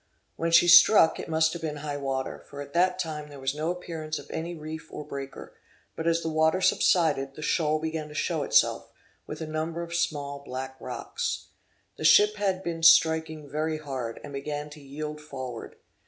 When she struck it must have been high water, for at that time there was no appearance of any reef or breaker; but as the water subsided, the shoal began to show itself, with a number of small black rocks. The ship had been striking very hard, and began to yield forward.